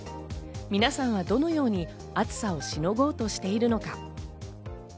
皆さんはどのように暑さをしのごうとしているのか。